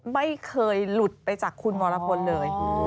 ไม่เคยหลุดไปจากคุณวรพลเลย